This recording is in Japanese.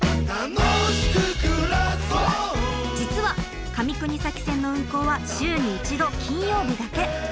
実は上国崎線の運行は週に１度金曜日だけ。